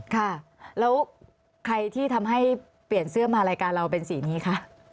ค่ะแล้วใครที่ทำให้เปลี่ยนเสื้อมารายการเราเป็นสีนี้คะ